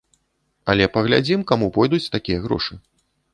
Але паглядзім, каму пойдуць такія грошы.